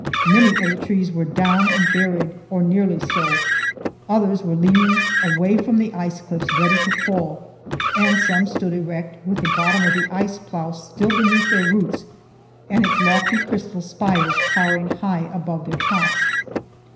Many of the trees were down and buried, or nearly so, others were leaning away from the ice cliffs, ready to fall, and some stood erect, with the bottom of the ice plow still beneath their roots and its lofty crystal spires towering high above their tops.